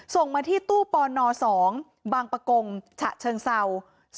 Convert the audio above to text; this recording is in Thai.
ส่งมาที่ตู้ปน๒บางประกงฉะเชิงเศร้า